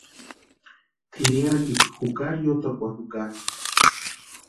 Tʼirhiantsikwa jukari yotakwarhu jukasti.